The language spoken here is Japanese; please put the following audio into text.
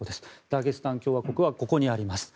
ダゲスタン共和国はここにあります。